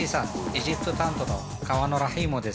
エジプト担当の河野ラヒームです。